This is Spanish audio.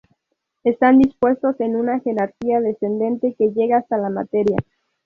Están dispuestos en una jerarquía descendente que llega hasta la materia.